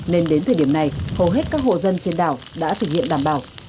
nên đến thời điểm này hầu hết các hộ dân trên đảo đã thực hiện đảm bảo